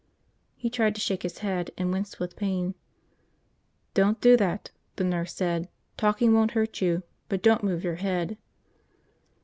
He tried to shake his head, and winced with pain. "Don't do that!" the nurse said. "Talking won't hurt you. But don't move your head."